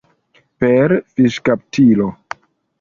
Per fiŝkaptilo.